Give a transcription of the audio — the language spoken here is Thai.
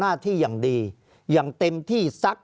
ภารกิจสรรค์ภารกิจสรรค์